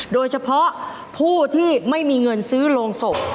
โดยเฉพาะผู้ที่ไม่มีเงินซื้อโรงศพ